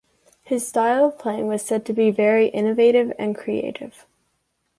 His style of playing was said to be very innovative and creative.